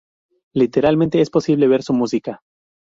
Literalmente es posible ver su música.